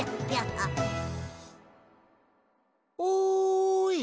おい！